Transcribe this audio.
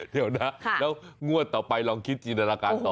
เดี๋ยวนะแล้วงวดต่อไปลองคิดจินตนาการต่อ